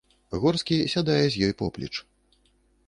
Горскі сядае з ёй поплеч.